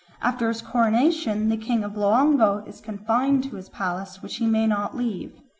After his coronation the king of Loango is confined to his palace, which he may not leave.